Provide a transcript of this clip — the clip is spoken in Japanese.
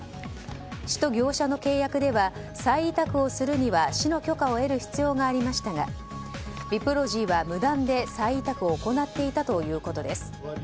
市と業者の契約では再委託をするためには市の許可を得る必要がありましたがＢＩＰＲＯＧＹは無断で再委託を行っていたということです。